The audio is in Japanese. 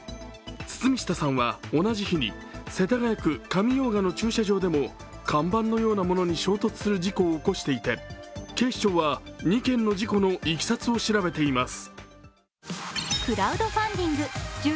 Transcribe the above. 堤下さんは今年５月、世田谷区上用賀の駐車場でも看板のようなものに衝突する事故を起こしていて警視庁は２件の事故のいきさつを調べています。